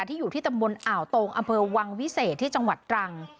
อยู่ที่ตำบลอ่าวตงอำเภอวังวิเศษที่จังหวัดตรัง